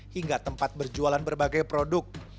hingga tempat berjualan berbagai produk